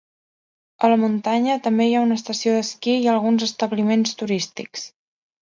A la muntanya també hi ha una estació d'esquí i alguns establiments turístics.